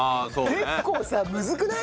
結構さむずくない？